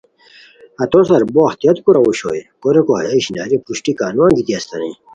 ہتو سار بو اختیاط کوراؤ اوشوئے کوریکو ہیہ اشناریو پروشٹی کا نو انگیتی استانی